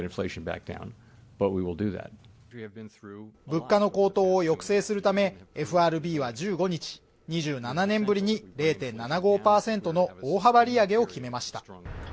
物価の高騰を抑制するためＦＲＢは１５日２７年ぶりに０．７５％の大幅利上げを決めました